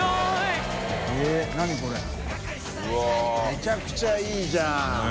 めちゃくちゃいいじゃん。